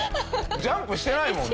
ジャンプしてないもんね。